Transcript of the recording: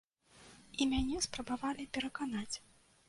І мяне спрабавалі пераканаць.